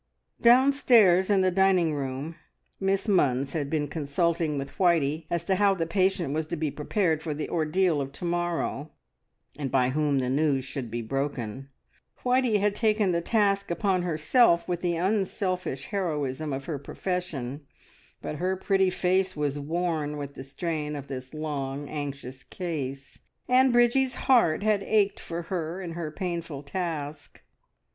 Downstairs in the dining room Miss Munns had been consulting with Whitey as to how the patient was to be prepared for the ordeal of to morrow, and by whom the news should be broken. Whitey had taken the task upon herself with the unselfish heroism of her profession, but her pretty face was worn with the strain of this long anxious case, and Bridgie's heart had ached for her in her painful task.